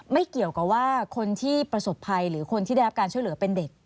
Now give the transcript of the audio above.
ไม่เกี่ยวกับว่าคนที่ประสบภัยหรือคนที่ได้รับการช่วยเหลือเป็นเด็ก